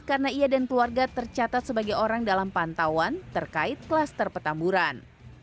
karena ia dan keluarga tercatat sebagai orang dalam pantauan terkait klaster petamburan